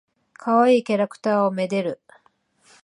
かわいいキャラクターを愛でる。